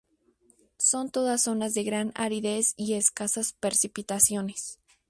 Son todas zonas de gran aridez y escasas precipitaciones.